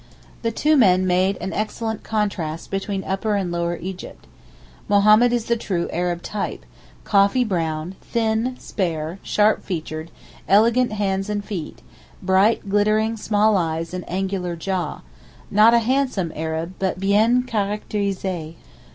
The two young men made an excellent contrast between Upper and Lower Egypt. Mohammed is the true Arab type—coffee brown, thin, spare, sharp featured, elegant hands and feet, bright glittering small eyes and angular jaw—not a handsome Arab, but bien charactérisé.